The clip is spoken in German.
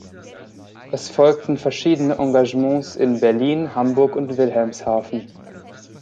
Es folgten verschiedene Engagements in Berlin, Hamburg und Wilhelmshaven.